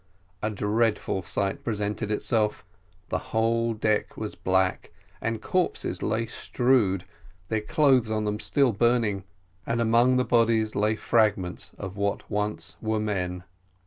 A dreadful sight presented itself the whole deck was black, and corpses lay strewed; their clothes on them still burning, and among the bodies lay fragments of what once were men.